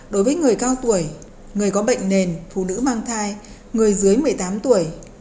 đối với người cao tuổi người có bệnh nền phụ nữ mang thai người dưới một mươi tám tuổi